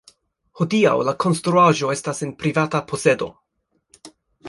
Hodiaŭ La konstruaĵo estas en privata posedo.